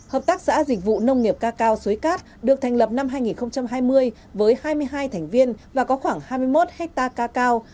hợp tác xã dịch vụ nông nghiệp ca cao xuế cát được thành lập năm hai nghìn hai mươi với hai mươi hai thành viên và có khoảng hai mươi một hectare cacao